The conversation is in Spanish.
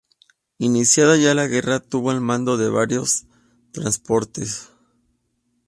Iniciada ya la guerra, tuvo el mando de varios transportes.